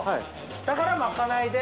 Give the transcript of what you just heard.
だからまかないで。